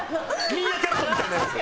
ミーアキャットみたいなやつ。